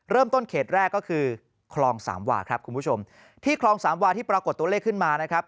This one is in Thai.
เขตแรกก็คือคลองสามวาครับคุณผู้ชมที่คลองสามวาที่ปรากฏตัวเลขขึ้นมานะครับ